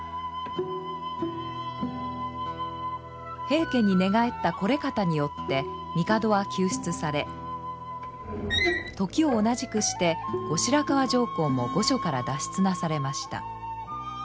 平家に寝返った惟方によって帝は救出され時を同じくして後白河上皇も御所から脱出なされました。